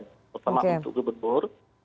terutama untuk gubernur